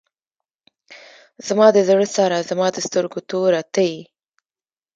زما د زړه سره زما د سترګو توره ته یې.